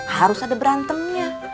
harus ada berantemnya